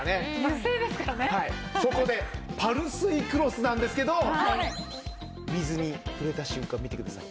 そこでパルスイクロスなんですけど水に触れた瞬間を見てください。